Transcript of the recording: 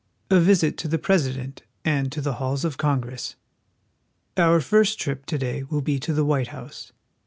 A VISIT TO THE PRESIDENT AND TO THE HALLS OF CONGRESS. OUR first trip to day will be to the White House.